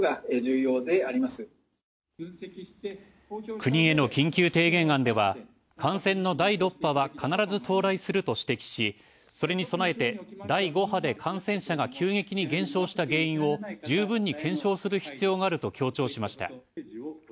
国への緊急提言案では感染の「第６波」は「必ず到来する」と指摘し、それに備えて「第５波」で感染者が急激に減少した原因を十分に検証する必要があると強調しました。